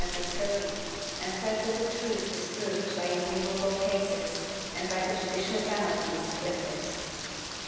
Episcopi and says that the truth is proved by innumerable cases and by the judicial penalties inflicted.